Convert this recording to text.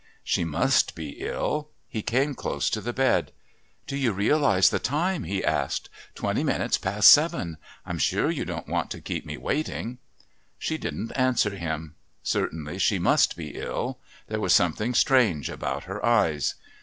She must be ill. He came close to the bed. "Do you realise the time?" he asked. "Twenty minutes past seven. I'm sure you don't want to keep me waiting." She didn't answer him. Certainly she must be ill. There was something strange about her eyes.